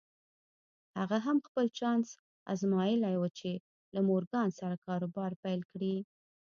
هغه هم خپل چانس ازمايلی و چې له مورګان سره کاروبار پيل کړي.